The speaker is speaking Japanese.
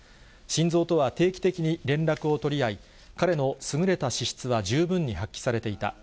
晋三とは定期的に連絡を取り合い、彼の優れた資質は十分に発揮されていた。